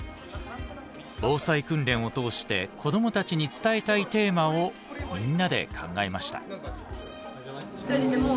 防災訓練を通して子どもたちに伝えたいテーマをみんなで考えました。